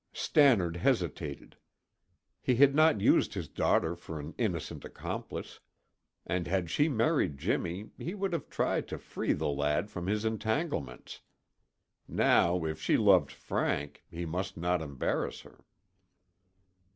Stannard hesitated. He had not used his daughter for an innocent accomplice, and had she married Jimmy he would have tried to free the lad from his entanglements. Now, if she loved Frank, he must not embarrass her.